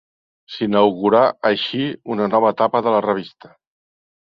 S'inaugurà així una nova etapa de la revista.